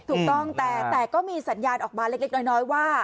ถูกต้องแต่ก็มีสัญญาณออกมาเล็กน้อยว่า